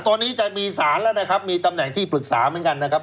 ตอนนี้จะมีสารแล้วนะครับมีตำแหน่งที่ปรึกษาเหมือนกันนะครับ